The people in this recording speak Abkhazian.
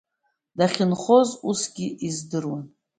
Дахьынхоз усгьы издыруан.